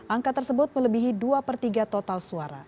angka tersebut melebihi dua per tiga total suara